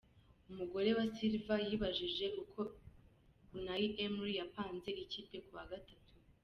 Umugore wa Silva yibabajije uko Unai Emery yapanze ikipe ku wa Gatatu.